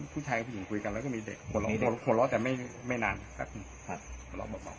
ผู้ชายผู้หญิงคุยกันและมีเด็ก